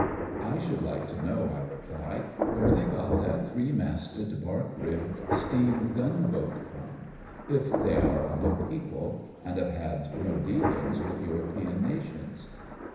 " I should like to know," I reply, " where they got that three masted, barque rigged steam gunboat from, if they are a new people, and have had no dealings with European nations